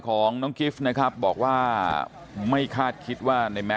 ตรของหอพักที่อยู่ในเหตุการณ์เมื่อวานนี้ตอนค่ำบอกให้ช่วยเรียกตำรวจให้หน่อย